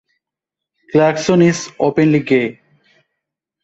Clarkson is openly gay.